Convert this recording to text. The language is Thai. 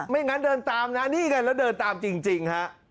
งั้นเดินตามนะนี่ไงแล้วเดินตามจริงฮะ